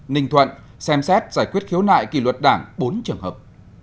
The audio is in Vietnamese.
ninh thuận xem xét giải quyết khiếu nại kỷ luật đảng bốn trường hợp